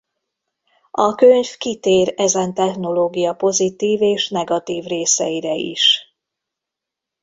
A könyv kitér ezen technológia pozitív és negatív részeire is.